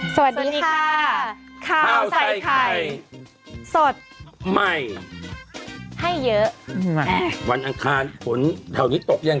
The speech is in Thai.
สวัสดีค่ะข้าวใส่ไข่สดใหม่ให้เยอะวันอังคารฝนแถวนี้ตกยัง